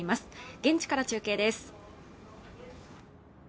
現地から中継です